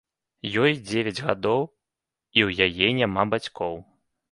Ёй дзевяць гадоў і ў яе няма бацькоў.